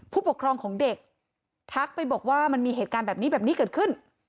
ผู้ปกครองของเด็กทักไปบอกว่ามันมีเหตุการณ์แบบนี้แบบนี้เกิดขึ้น